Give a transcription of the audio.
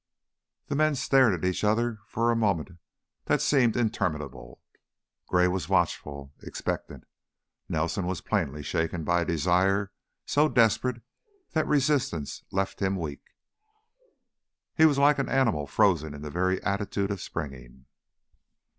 The men stared at each other for a moment that seemed interminable. Gray was watchful, expectant; Nelson was plainly shaken by a desire so desperate that resistance left him weak. He was like an animal frozen in the very attitude of springing.